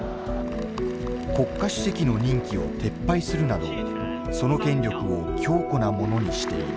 国家主席の任期を撤廃するなどその権力を強固なものにしている。